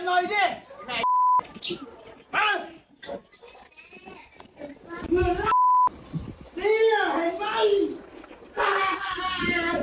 ก๊อปนี่คือบ้านเขาติดกันเลยอะ